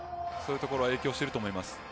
そういうところは影響していると思います。